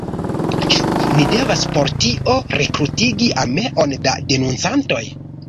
Ĉu ni devas por tio rekrutigi armeon da denuncantoj?